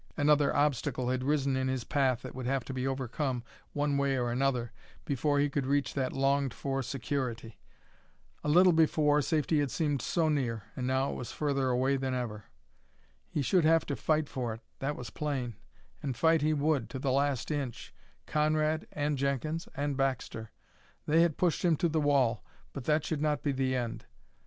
Another obstacle had risen in his path that would have to be overcome, one way or another, before he could reach that longed for security. A little before, safety had seemed so near, and now it was further away than ever! He should have to fight for it, that was plain and fight he would, to the last inch, Conrad and Jenkins and Baxter. They had pushed him to the wall, but that should not be the end.